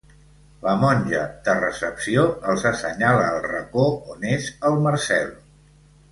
La monja de recepció els assenyala el racó on és el Marcel.